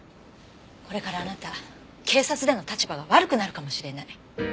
これからあなた警察での立場が悪くなるかもしれない。